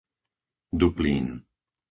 Duplín